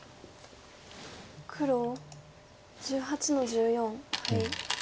黒１８の十四ハイ。